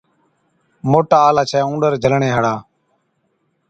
موٽا آلا ڇَي اُونڏر جھلڻي هاڙا۔